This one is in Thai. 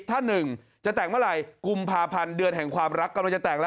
ถ้า๑จะแต่งเมื่อไหร่กุมภาพันธุ์เดือนแห่งความรักกลมจนจะแต่ง